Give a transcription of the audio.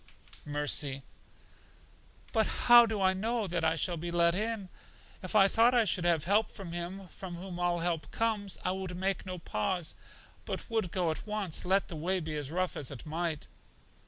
Mercy: But how do I know that I shall be let in? If I thought I should have help from Him from whom all help comes, I would make no pause, but would go at once, let the way be as rough as it might.